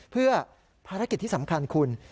เพื่อภารกิจที่สำคัญคุณ